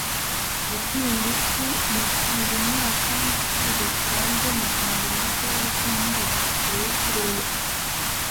gushyira ingufu mu kuhira imyaka nk'igisubizo kirambye mu guhangana n' ikibazo cy' imihindagurikire y'ikirere